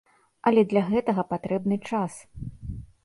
Але для гэтага патрэбны час.